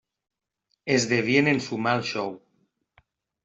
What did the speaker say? Es devien ensumar el xou.